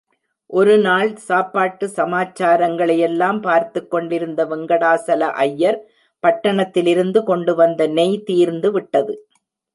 ஒரு நாள் சாப்பாட்டு சமாச்சாரங்களையெல்லாம் பார்த்துக்கொண்டிருந்த வெங்கடாசல ஐயர், பட்டணத்திலிருந்து கொண்டுச் வந்த நெய் தீர்ந்து விட்டது.